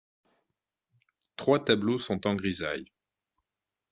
Trois tableaux sont en grisaille.